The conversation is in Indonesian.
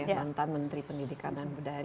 mantan menteri pendidikan dan budaya